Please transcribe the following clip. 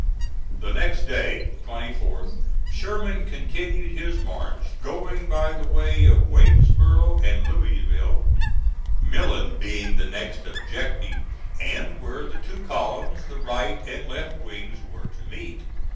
The next day (24th) Sherman continued his march, going by the way of Waynesboro and Louisville, Millen being the next objective and where the two columns (the right and left wings) were to meet.